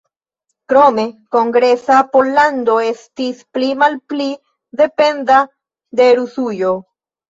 Krome Kongresa Pollando estis pli-malpli dependa de Rusujo.